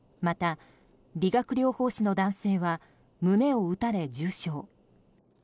また、理学療法士の男性は胸を撃たれ重傷。